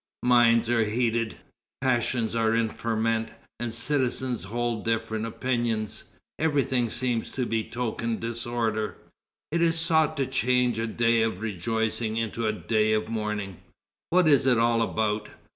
Minds are heated, passions are in ferment, and citizens hold different opinions; everything seems to betoken disorder. It is sought to change a day of rejoicing into a day of mourning.... What is it all about?